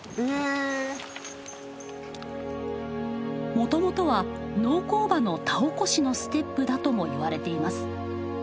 もともとは農耕馬の田おこしのステップだとも言われています。